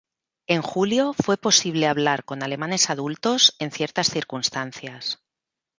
En julio fue posible hablar con alemanes adultos en ciertas circunstancias.